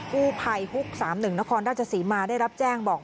กู้ภัยฮุก๓๑นครราชศรีมาได้รับแจ้งบอก